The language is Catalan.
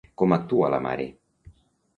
Com actua la mare?